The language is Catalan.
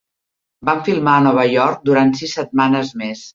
Van filmar a Nova York durant sis setmanes més.